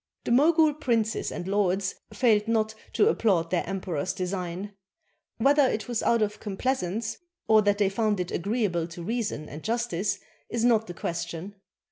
The Mogul princes and lords failed not to applaud their emperor's design. Whether it was out of complai sance or that they found it agreeable to reason and justice is not the question.